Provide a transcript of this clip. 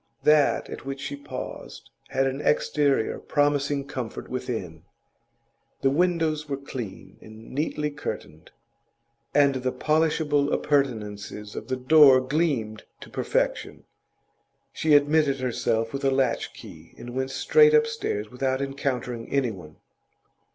That at which she paused had an exterior promising comfort within; the windows were clean and neatly curtained, and the polishable appurtenances of the door gleamed to perfection. She admitted herself with a latch key, and went straight upstairs without encountering anyone.